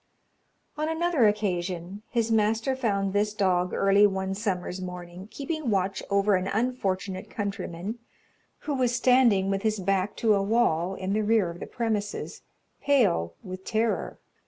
On another occasion, his master found this dog early one summer's morning keeping watch over an unfortunate countryman, who was standing with his back to a wall in the rear of the premises, pale with terror.